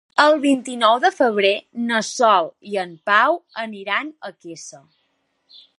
El vint-i-nou de febrer na Sol i en Pau aniran a Quesa.